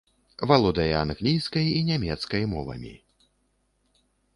Валодае англійскай і нямецкай мовамі.